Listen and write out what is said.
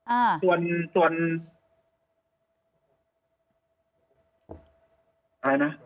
อ่าส่วนอะไรนะ